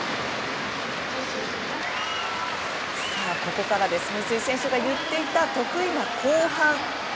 ここから三井選手が言っていた得意な後半。